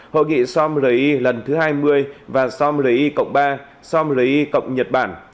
hội nghị somri lần thứ hai mươi và somri cộng ba somri cộng nhật bản